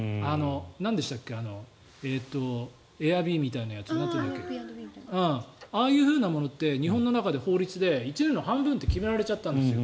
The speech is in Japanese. なんでしたっけエアビーアンドビーとかああいうふうなものって日本の中に法律で１年の半分って決められちゃったんですよ。